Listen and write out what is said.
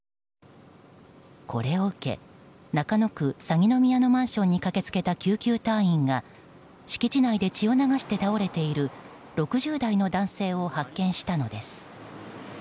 これを受け、中野区鷺宮のマンションに駆け付けた救急隊員が敷地内で血を流して倒れている６０代の男性を発見したのです。